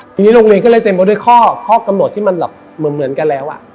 ทีนี้โรงเรียนก็เลยเต็มไปด้วยข้อกำหนดที่มันแบบเหมือนกันแล้ว